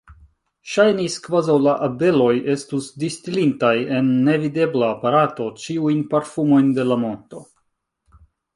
Ŝajnis, kvazaŭ la abeloj estus distilintaj en nevidebla aparato ĉiujn parfumojn de la monto.